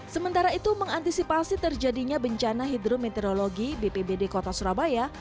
sementara itu mengantisipasi terjadinya bencana hidrometeorologi bpbd kota surabaya